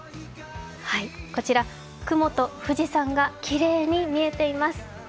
こちら雲と富士山がきれいに見えています。